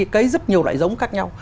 cây rất nhiều loại giống khác nhau